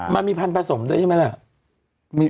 มันมีพันธสมด้วยใช่ไหมล่ะ